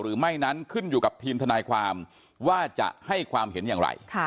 หรือไม่นั้นขึ้นอยู่กับทีมทนายความว่าจะให้ความเห็นอย่างไร